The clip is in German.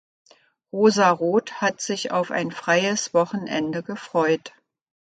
Rosa Roth hat sich auf ein freies Wochenende gefreut.